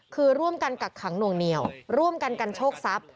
คือร่วมกันกักขังหน่วงเหนียวร่วมกันกันโชคทรัพย์